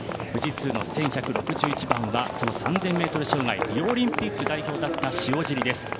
富士通の１１６１番は３０００ｍ障害リオオリンピック代表だった塩尻です。